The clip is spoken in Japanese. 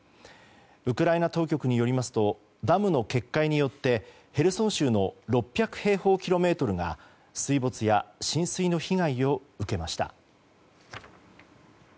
ウクライナ当局によりますとダムの決壊によってヘルソン州の６００平方キロメートルが水没や浸水の被害を受けました。